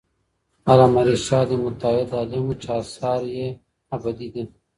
علامه رشاد یو متعهد عالم وو چې اثاره یې ابدي دي.